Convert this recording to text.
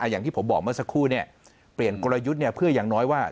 อย่างที่ผมบอกเมื่อสักครู่เปลี่ยนกลยุทธ์เพื่ออย่างน้อยว่า